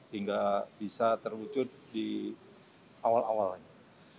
hingga bisa terwujud di awal awalnya